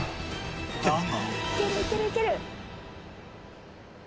だが。